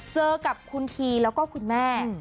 เจอกับคุณทีแล้วก็คุณแม่